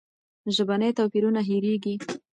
ژبني توپیرونه هېرېږي.